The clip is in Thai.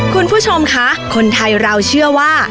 คุณผู้ชมคะคนไทยเราเชื่อว่า